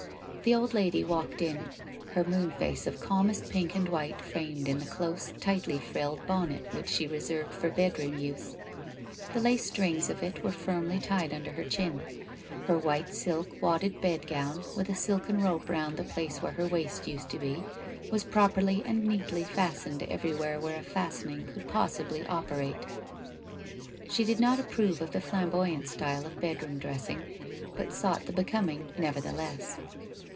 The old lady walked in, her moon face of calmest pink and white framed in the close, tightly frilled bonnet which she reserved for bedroom use. The lace strings of it were firmly tied under her chin. Her white silk wadded bed gown with a silken rope round the place where her waist used to be, was properly and neatly fastened everywhere where a fastening could possibly operate. She did not approve of the flamboyant style of bedroom dressing, but sought the becoming nevertheless.